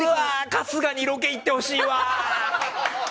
春日にロケ行ってほしいわ！